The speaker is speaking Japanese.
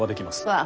ああ！